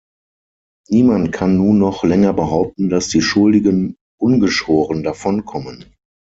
Niemand kann nun noch länger behaupten, dass die Schuldigen ungeschoren davonkommen.